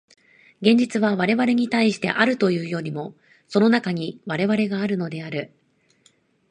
現実は我々に対してあるというよりも、その中に我々があるのである。